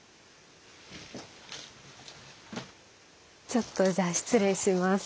ちょっとじゃあ失礼します。